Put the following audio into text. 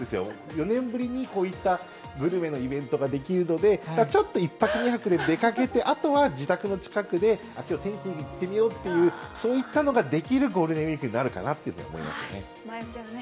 ４年ぶりにこういったグルメのイベントができるので、ちょっと１泊、２泊で出かけて、あとは自宅の近くで、あっ、きょう天気いいし、行ってみようっていう、そういったのができるゴールデンウィーク迷っちゃうね。